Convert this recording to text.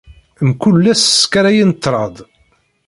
Mkul ass, sskarayen ṭṭrad.